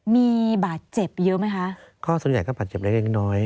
มีบาดเจ็บเยอะไหมคะข้อส่วนใหญ่ก็บาดเจ็บเล็กเล็กน้อย